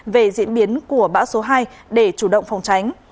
về diễn biến của bão số hai để chủ động phòng tránh